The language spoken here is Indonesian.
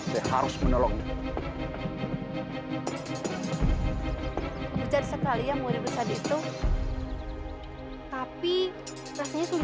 tidak tukijo tidak percaya pada aku bu